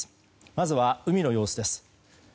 まずは海の様子です。